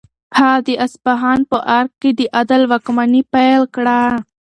هغه د اصفهان په ارګ کې د عدل واکمني پیل کړه.